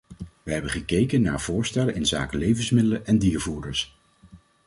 Wij hebben gekeken naar voorstellen inzake levensmiddelen en diervoeders.